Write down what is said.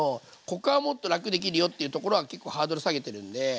ここはもっと楽できるよっていうところは結構ハードル下げてるんで。